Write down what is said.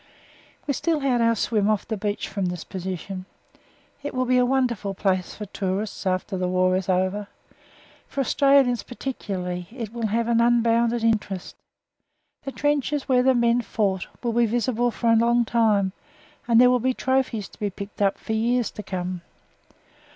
We still had our swim off the beach from this position. It will be a wonderful place for tourists after the war is over. For Australians particularly it will have an unbounded interest. The trenches where the men fought will be visible for a long time, and there will be trophies to be picked up for years to come.